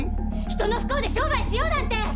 人の不幸で商売しようなんて！